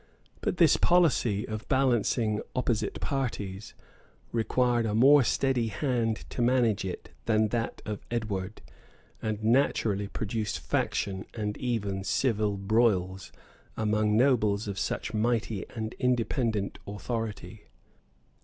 But this policy, of balancing opposite parties, required a more steady hand to manage it than that of Edward, and naturally produced faction and even civil broils, among nobles of such mighty and independent authority.